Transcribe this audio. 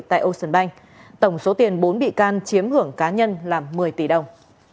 tại ocean bank tổng số tiền bốn bị can chiếm hưởng cá nhân là một mươi tỷ đồng